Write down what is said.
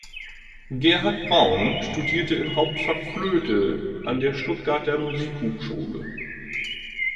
Gerhard Braun studierte im Hauptfach Flöte an der Stuttgarter Musikhochschule.